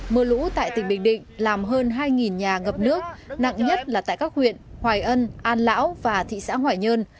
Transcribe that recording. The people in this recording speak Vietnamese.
mưa lũ tại tỉnh bình định làm hơn hai nhà ngập nước nặng nhất là tại các huyện hoài ân an lão và thị xã hoài nhơn